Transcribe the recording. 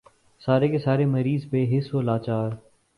سارے کے سارے مریض بے بس و لاچار۔